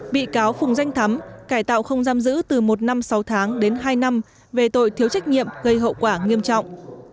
bị cáo phùng danh thắm cải tạo không giam giữ từ một năm sáu tháng đến hai năm về tội thiếu trách nhiệm gây hậu quả nghiêm trọng